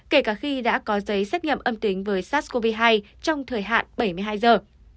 kể cả khi đã có giấy xét nghiệm âm tính với sars cov hai trong thời hạn bảy mươi hai giờ